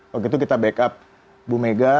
waktu itu kita backup bu mega